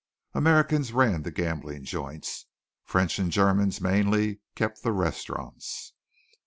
Americans ran the gambling joints. French and Germans, mainly, kept the restaurants.